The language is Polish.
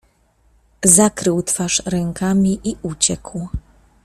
Zakrył twarz rękami i uciekł.